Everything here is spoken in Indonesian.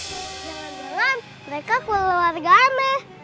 jangan jangan mereka keluargane